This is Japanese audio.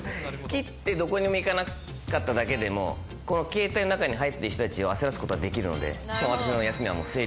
切ってどこにも行かなかっただけでも、この携帯の中に入ってる人たちを焦らすことはできるので。